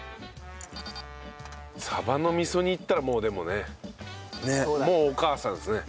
鯖の味噌煮いったらもうでもねもうお母さんですね。